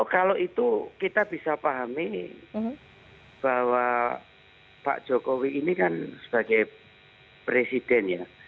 kalau itu kita bisa pahami bahwa pak jokowi ini kan sebagai presiden ya